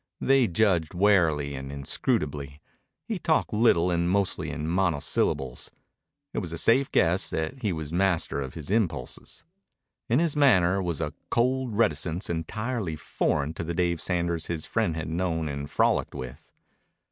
They judged warily and inscrutably. He talked little and mostly in monosyllables. It was a safe guess that he was master of his impulses. In his manner was a cold reticence entirely foreign to the Dave Sanders his friend had known and frolicked with.